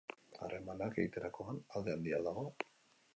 Harremanak egiterakoan alde handia al dago?